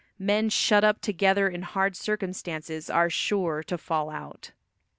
Men shut up together in hard circumstances are sure to fall out.